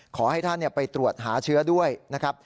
ขอให้ท่านไปตรวจหาเชื้อด้วยนะครับ